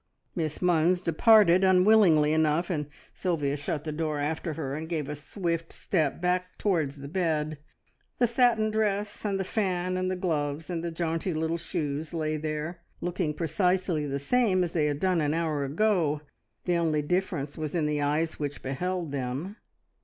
Miss Munns departed, unwillingly enough, and Sylvia shut the door after her, and gave a swift step back towards the bed. The satin dress, and the fan, and the gloves, and the jaunty little shoes lay there looking precisely the same as they had done an hour ago the only difference was in the eyes which beheld them.